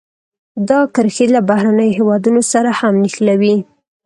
دا کرښې له بهرنیو هېوادونو سره هم نښلوي.